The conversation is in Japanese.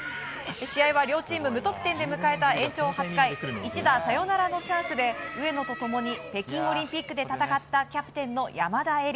試合は両チーム無得点で迎えた延長８回一打サヨナラのチャンスで上野と共に北京オリンピックで戦ったキャプテンの山田恵里。